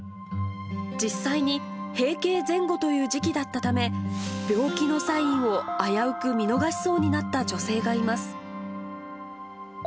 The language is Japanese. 実際に、閉経前後という時期だったため、病気のサインを危うく見逃しそうになった女性がいます。